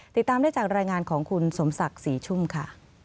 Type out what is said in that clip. ติดตามได้จากรายงานของคุณสมศักดิ์ศรีชุ่มค่ะ